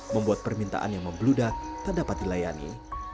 membuat permintaan yang membludak tak dapat dilayani